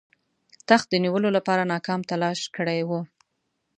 تخت د نیولو لپاره ناکام تلاښ کړی وو.